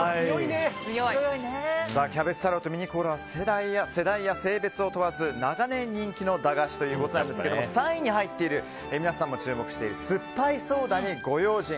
キャベツ太郎とミニコーラは世代や性別を問わず長年人気の駄菓子ということなんですが３位に入っている皆さんも注目しているすっぱいソーダにご用心。